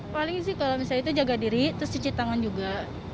paling sih kalau misalnya itu jaga diri terus cuci tangan juga